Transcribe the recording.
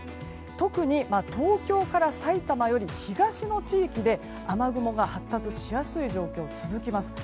特に、東京から埼玉より東の地域で雨雲が発達しやすい状況が続きます。